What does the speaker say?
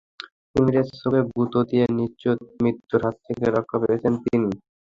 কুমিরের চোখে গুঁতো দিয়ে নিশ্চিত মৃত্যুর হাত থেকে রক্ষা পেয়েছেন তিনি।